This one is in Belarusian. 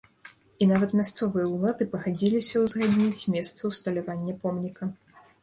І нават мясцовыя ўлады пагадзіліся узгадніць месца ўсталявання помніка.